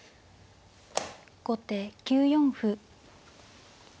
後手９四歩。